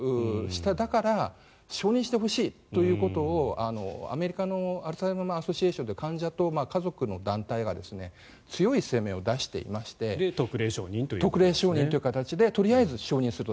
だから承認してほしいということをアメリカのアルツハイマー病アソシエーションという家族の団体が強い声明を出していまして特例承認という形でとりあえず承認すると。